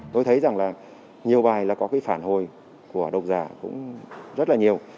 phần tự phản động của độc giả cũng rất là nhiều